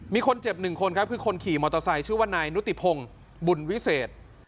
มีคนเจ็บหนึ่งคนครับคือคนขี่มอเตอร์ไซค์ชื่อว่านายนุติพงศ์บุญวิเศษ